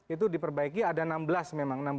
itu diperbaiki ada enam belas memang